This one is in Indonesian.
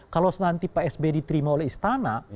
kalau nanti pak sby diterima oleh istana